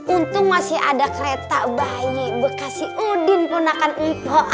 untung masih ada kereta bayi bekasi udin pun akan mpo